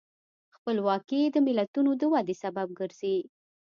خپلواکي د ملتونو د ودې سبب ګرځي.